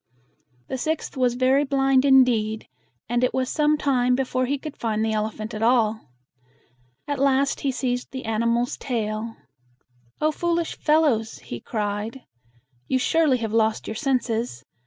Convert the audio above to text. The sixth was very blind indeed, and it was some time before he could find the elephant at all. At last he seized the animal's tail. "O foolish fellows!" he cried. "You surely have lost your senses.